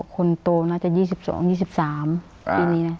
คนโตน่าจะ๒๒๒๓ปีแล้ว